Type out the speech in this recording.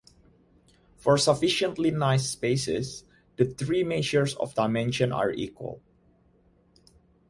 For "sufficiently nice" spaces, the three measures of dimension are equal.